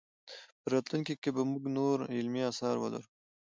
په راتلونکي کې به موږ نور علمي اثار ولرو.